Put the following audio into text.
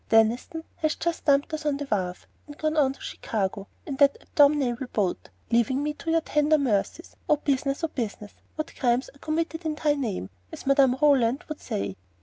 "Deniston has just dumped us on the wharf, and gone on to Chicago in that abominable boat, leaving me to your tender mercies. O Business, Business! what crimes are committed in thy name, as Madame Roland would say!"